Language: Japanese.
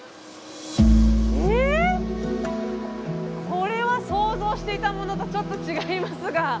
これは想像していたものとちょっと違いますが。